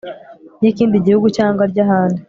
ry ikindi gihugu cyangwa ry ahandi